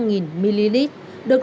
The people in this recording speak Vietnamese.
được lực lượng chức năng